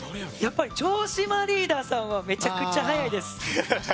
やっぱり城島リーダーさんはめちゃくちゃ速いです。